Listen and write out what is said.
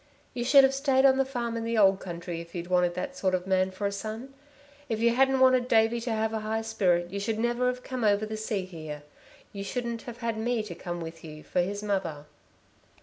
You should have stayed on the farm in the old country if you'd wanted that sort of man for a son. If you hadn't wanted Davey to have a high spirit you should never have come over the sea here. You shouldn't have had me to come with you for his mother...."